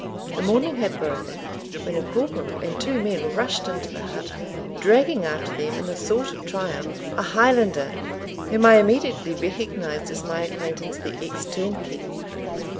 The morning had broken, when a corporal and two men rushed into the hut, dragging after them, in a sort of triumph, a Highlander, whom I immediately recognised as my acquaintance the ex turnkey.